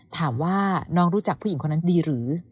ถามว่าน้องรู้จักผู้หญิงคนนั้นดีหรือ